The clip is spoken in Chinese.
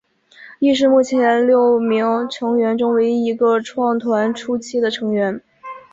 亦是目前六名成员中唯一一个创团初期的成员。